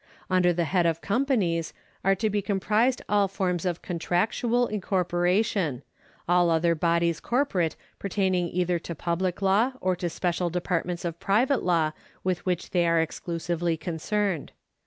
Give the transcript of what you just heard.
Under the head of companies are to be comprised all forms of contractual incorporation, all other bodies corporate pertaining either to public law or to special departments of private law with which they are exclusively concerned.